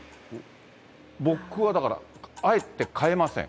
僕はだから、あえて変えません。